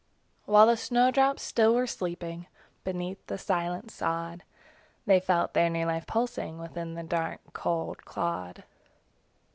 While the snow drops still were sleeping Beneath the silent sod; They felt their new life pulsing Within the dark, cold clod.